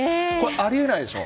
あり得ないでしょ？